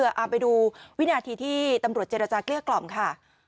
เอาไปดูวินาทีที่ตำรวจเจรจาเกลี้ยกล่อมค่ะ